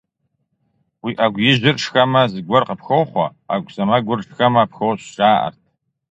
Уи Ӏэгу ижьыр шхэмэ, зыгуэр къыпхохъуэ, ӏэгу сэмэгур шхэмэ - пхощӀ, жаӀэрт.